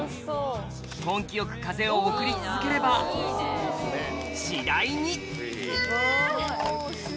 根気よく風を送り続ければ次第にわ！